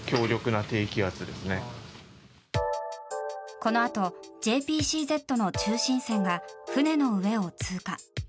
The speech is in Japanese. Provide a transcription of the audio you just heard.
このあとＪＰＣＺの中心線が船の上を通過。